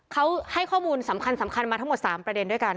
เขาให้ข้อมูลสำคัญมาทั้งหมด๓ประเด็นด้วยกัน